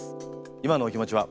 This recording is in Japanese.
今のお気持ちは？